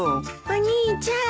お兄ちゃん。